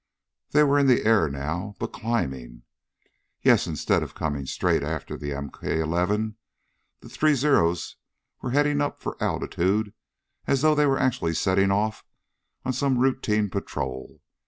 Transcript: They were in the air, now, but climbing. Yes, instead of coming straight after the MK 11 the three Zeros were heading up for altitude as though they were actually setting off on some routine patrol.